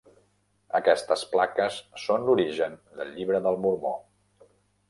Aquestes plaques són l'origen del Llibre del Mormó.